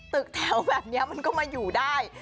ตึกแถวแบบนี้มันก็มาอยู่ได้